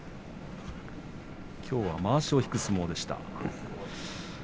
きょうはまわしを引く相撲でした。